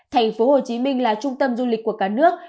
tp hcm là trung tâm du lịch của cả nước